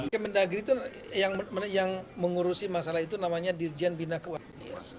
kemendagri itu yang mengurusi masalah itu namanya dirjen bina keuangan